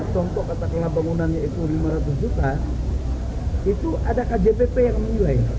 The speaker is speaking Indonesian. contoh katakanlah bangunannya itu lima ratus juta itu ada kjpp yang menilai